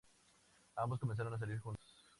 Ambos comenzaron a salir juntos.